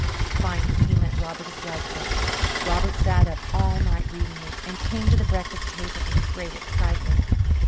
Finally, he lent Robert his life book. Robert sat up all night reading it and came to the breakfast table in great excitement.